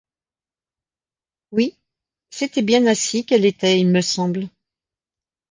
Oui, c'était bien ainsi qu'elle était ; il me semble